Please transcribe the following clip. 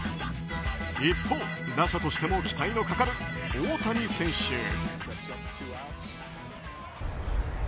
一方、打者としても期待のかかる大谷選手。